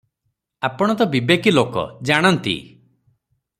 ଆପଣ ତ ବିବେକୀ ଲୋକ, ଜାଣନ୍ତି ।